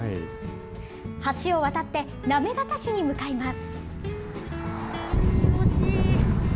橋を渡って、行方市に向かいます。